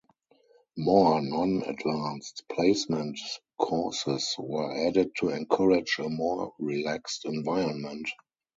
More non-Advanced Placement courses were added to encourage a more relaxed environment.